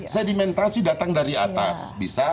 sedimentasi datang dari atas bisa